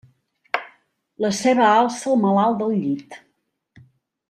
La ceba alça el malalt del llit.